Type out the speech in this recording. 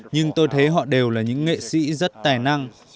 nhưng tôi thấy họ đều là những nghệ sĩ rất tài năng